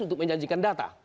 untuk menjanjikan data